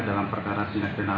dalam perkara tindak berhubungan